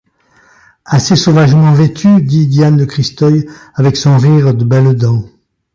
Assez sauvagement vêtue, dit Diane de Christeuil, avec son rire de belles dents.